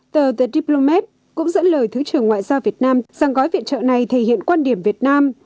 tờ the promeb cũng dẫn lời thứ trưởng ngoại giao việt nam rằng gói viện trợ này thể hiện quan điểm việt nam